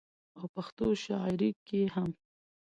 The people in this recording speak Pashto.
او پښتو شاعرۍ کې هم